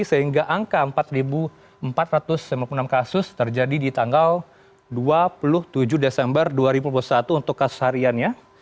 sehingga angka empat empat ratus lima puluh enam kasus terjadi di tanggal dua puluh tujuh desember dua ribu dua puluh satu untuk kasus hariannya